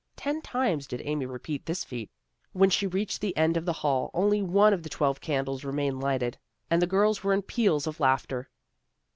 Ten times did Amy repeat this feat. When she reached the end of the hall only one of the twelve candles remained lighted, and the girls were in peals of laughter.